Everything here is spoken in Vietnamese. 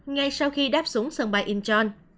ngay sau khi đáp xuống sân bay incheon